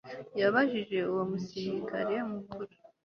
yabajije uwo musirikare mukuru